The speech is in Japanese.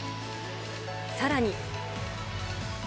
さらに。